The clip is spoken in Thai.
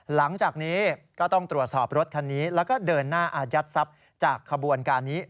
หลังจากนี้ก็ต้องตรวจสอบรถคันนี้แล้วก็เดินหน้าอายัดทรัพย์จากขบวนการนี้